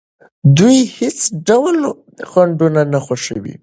دوی هیڅ ډول خنډونه نه خوښوي.